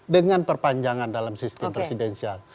dengan perpanjangan dalam sistem presidensial